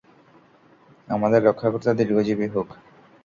আমাদের রক্ষাকর্তা দীর্ঘজীবী হোক।